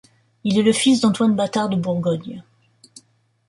Il est le fils d'Antoine bâtard de Bourgogne.